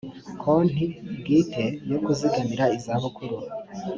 konti bwite yo kuzigamira izabukuru